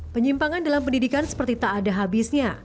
penyimpangan dalam pendidikan seperti tak ada habisnya